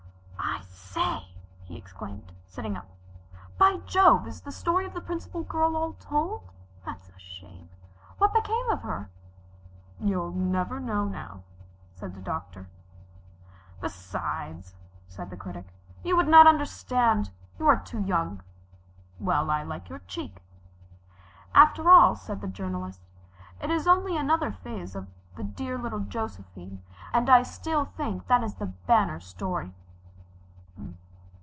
"I say!" he exclaimed, sitting up. "By Jove, is the story of the Principal Girl all told? That's a shame. What became of her?" "You'll never know now," said the Doctor. "Besides," said the Critic, "you would not understand. You are too young." "Well, I like your cheek." "After all," said the Journalist, "it is only another phase of the Dear Little Josephine, and I still think that is the banner story."